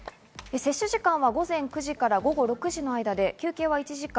接種時間は午前９時から午後６時の間で休憩は１時間。